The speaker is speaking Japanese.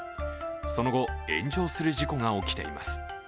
その後、炎上する事故が起きています。